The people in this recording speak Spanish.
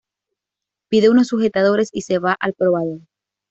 Pide unos sujetadores y se va al probador.